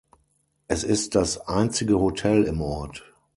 Es ist das einzige Hotel im Ort.